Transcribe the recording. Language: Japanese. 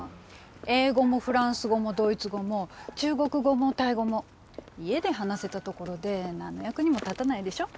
英語もフランス語もドイツ語も中国語もタイ語も家で話せたところで何の役にも立たないでしょ。